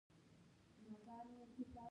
جانداد د ښه فکر استازی دی.